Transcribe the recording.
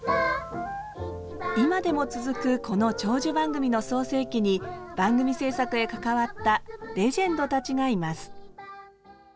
今でも続くこの長寿番組の創成期に番組制作へ関わったレジェンドたちがいます。